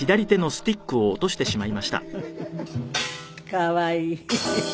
可愛い。